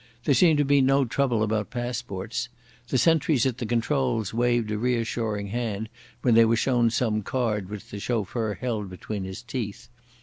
There seemed to be no trouble about passports. The sentries at the controls waved a reassuring hand when they were shown some card which the chauffeur held between his teeth.